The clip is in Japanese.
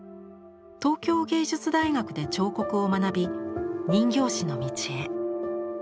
東京藝術大学で彫刻を学び人形師の道へ。